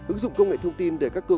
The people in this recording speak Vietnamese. ứng dụng công nghệ thông tin để các cơ